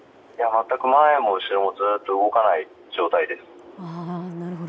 前も後ろもずっと動かない状態です。